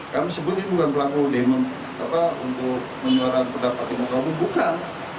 kami sebut ini bukan pelaku demokrasi untuk menyuarakan pendapatan kelompok bukan